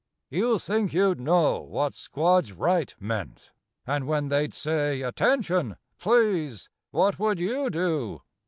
You think you'd know what "squads right" meant? And when they'd say "Attention!" Please What would you do?